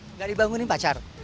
enggak dibangunin pacar